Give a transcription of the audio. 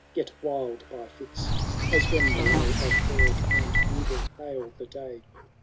Yet wild by fits, as when the lay Of bird and bugle hail the day.